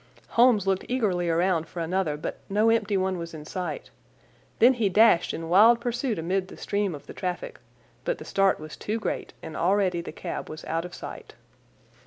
Holmes looked eagerly round for another, but no empty one was in sight. Then he dashed in wild pursuit amid the stream of the traffic, but the start was too great, and already the cab was out of sight.